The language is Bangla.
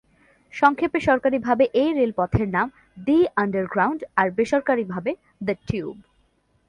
সংক্ষেপে সরকারি ভাবে এই রেলপথের নাম "দি আন্ডারগ্রাউন্ড", আর বেসরকারি ভাবে "দ্য টিউব"।